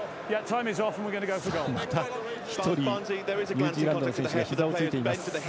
また１人ニュージーランドの選手がひざをついています。